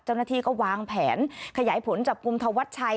เจ้าหน้าที่ก็วางแผนขยายผลจับกลุ่มธวัชชัย